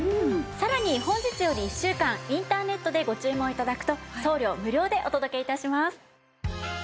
さらに本日より１週間インターネットでご注文頂くと送料無料でお届け致します。